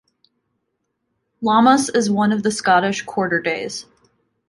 Lammas is one of the Scottish quarter days.